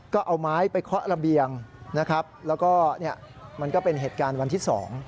ก็เอาไม้ไปเคาะระเบียงนะครับแล้วก็มันก็เป็นเหตุการณ์วันที่๒